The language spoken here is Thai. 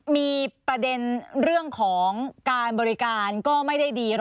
มีประเด็นเรื่องของการบริการก็ไม่ได้ดี